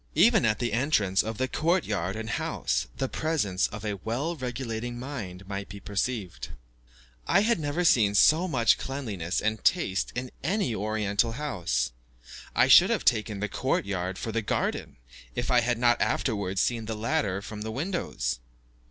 Even at the entrance of the court yard and house, the presence of a well regulating mind might be perceived. I had never seen so much cleanliness and taste in any Oriental house. I should have taken the court yard for the garden, if I had not afterwards seen the latter from the windows.